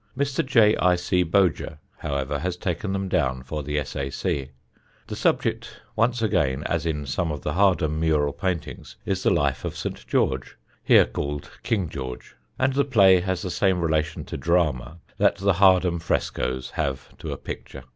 Mr. J. I. C. Boger, however, has taken them down for the S. A. C. The subject once again, as in some of the Hardham mural paintings, is the life of St. George, here called King George; and the play has the same relation to drama that the Hardham frescoes have to a picture.